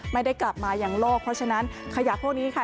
ไม่ได้กลับมาอย่างโลกเพราะฉะนั้นขยะพวกนี้ค่ะ